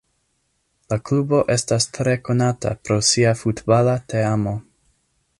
La klubo estas tre konata pro sia futbala teamo.